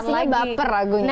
pastinya baper lagunya